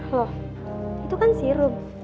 lo itu kan si rum